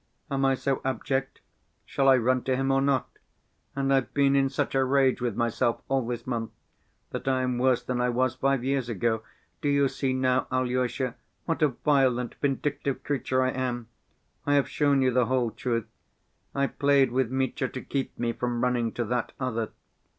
Am I so abject? Shall I run to him or not? And I've been in such a rage with myself all this month that I am worse than I was five years ago. Do you see now, Alyosha, what a violent, vindictive creature I am? I have shown you the whole truth! I played with Mitya to keep me from running to that other.